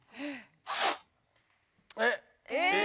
えっ？